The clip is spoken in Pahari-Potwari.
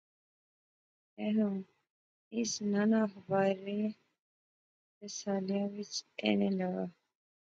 ایہھاں اس ناں ناں اخباریں رسالیا وچ اینے لاغا